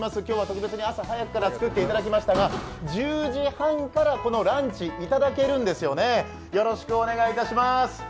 今日は特別に朝早く作っていただきましたが１０時半からこのランチ、いただけるんですよねよろしくお願いします。